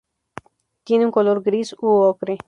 Tiene un color gris u ocre.